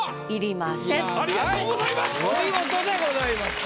お見事でございました。